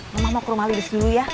mama mau ke rumah lilis dulu ya